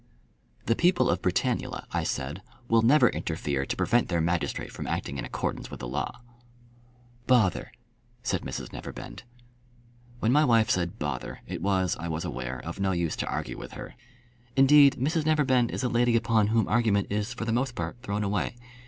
"The people of Britannula," I said, "will never interfere to prevent their magistrate from acting in accordance with the law." "Bother!" said Mrs Neverbend. When my wife said "bother," it was, I was aware, of no use to argue with her. Indeed, Mrs Neverbend is a lady upon whom argument is for the most part thrown away.